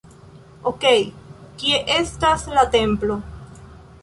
Okej, kie estas la templo?